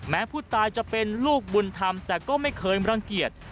ผู้ตายจะเป็นลูกบุญธรรมแต่ก็ไม่เคยรังเกียจ